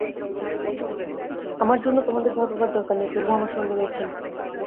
আমার জন্য তোমাদের ভয় পাবার দরকার নেই, প্রভু আমার সঙ্গে রয়েছেন।